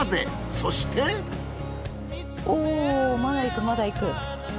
そしておおまだいくまだいく。